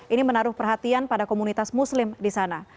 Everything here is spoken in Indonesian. ini menaruh perhatian pada komunitas muslim di sana